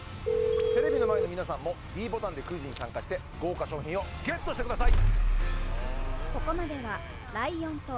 テレビの前の皆さんもｄボタンでクイズに参加して豪華賞品をＧＥＴしてください